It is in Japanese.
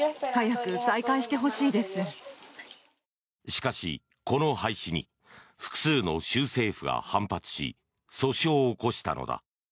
しかし、この廃止に複数の州政府が反発し訴訟を起こしたのだ。